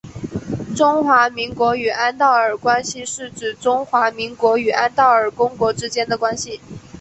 中华民国与安道尔关系是指中华民国与安道尔公国之间的关系。